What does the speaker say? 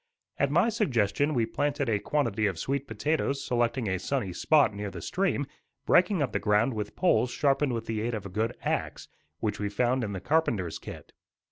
At my suggestion, we planted a quantity of sweet potatoes, selecting a sunny spot near the stream, breaking up the ground with poles sharpened with the aid of a good axe, which we found in the carpenter's kit.